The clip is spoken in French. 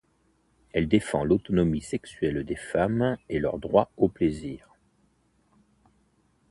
Elle défend l'autonomie sexuelle des femmes et leur droit au plaisir.